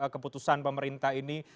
keputusan pemerintah ini